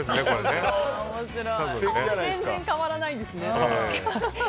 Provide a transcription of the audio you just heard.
全然変わらないですね。